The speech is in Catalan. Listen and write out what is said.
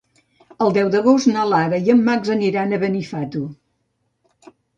El deu d'agost na Lara i en Max aniran a Benifato.